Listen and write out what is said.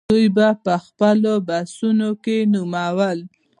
دوی به په خپلو بحثونو کې نومول.